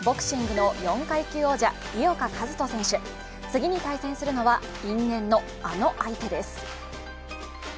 次に対戦するのは因縁の、あの相手です。